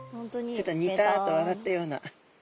ちょっとニタッと笑ったような。